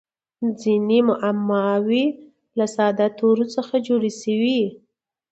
ځیني معماوي له ساده تورو څخه جوړي سوي يي.